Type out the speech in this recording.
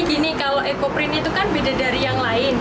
gini kalau ekoprint itu kan beda dari yang lain